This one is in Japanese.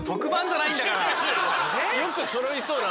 よくそろいそうな。